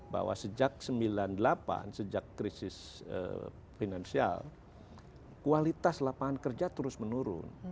bahwa sejak sembilan puluh delapan sejak krisis finansial kualitas lapangan kerja terus menurun